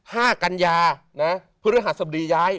ห้ากัญญาพฤหัสดีย้าย